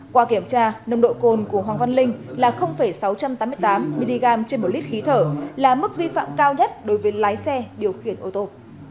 qua kiểm tra nồng độ cồn của hoàng văn linh là sáu trăm tám mươi tám mg trên một lít khí thở là mức vi phạm cao nhất đối với lái xe điều khiển ô tô